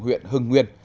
huyện hưng nguyên